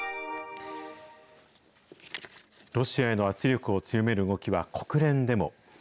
ロシアへの圧力を強める動きは国連でも。